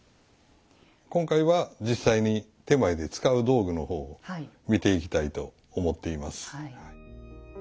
今回は実際に点前で使う道具の方を見ていきたいと思っています。